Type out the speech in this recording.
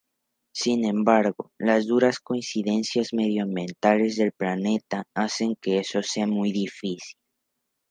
Sin embargo, las duras condiciones medioambientales del planeta hacen que eso sea muy difícil.